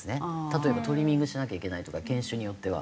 例えばトリミングしなきゃいけないとか犬種によっては。